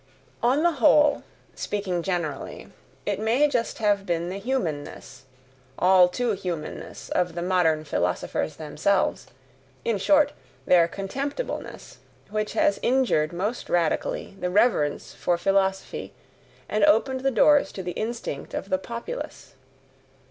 On the whole, speaking generally, it may just have been the humanness, all too humanness of the modern philosophers themselves, in short, their contemptibleness, which has injured most radically the reverence for philosophy and opened the doors to the instinct of the populace.